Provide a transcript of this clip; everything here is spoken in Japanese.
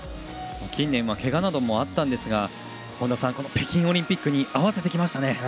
近年はけがなどもありましたが本田さん、北京オリンピックに合わせてきましたね。